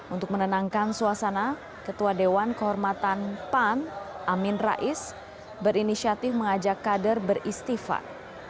untuk menenangkan suasana ketua dewan kehormatan pan amin rais berinisiatif mengajak kader beristighfar